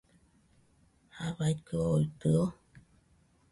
¿jafaikɨ ooitɨo.?